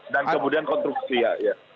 dan kemudian konstruksi ya